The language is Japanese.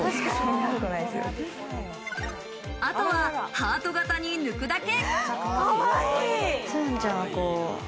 あとはハート型に抜くだけ。